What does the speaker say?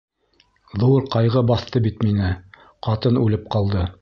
Ҙур ҡайғы баҫты бит мине, ҡатын үлеп ҡалды.